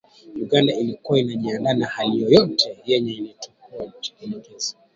Uganda ilikuwa inajiandaa na hali yoyote yenye itakayojitokeza